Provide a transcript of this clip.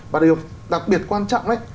và điều đặc biệt quan trọng